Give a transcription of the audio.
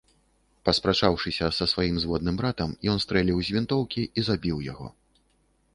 Паспрачаўшыся са сваім зводным братам, ён стрэліў з вінтоўкі і забіў яго.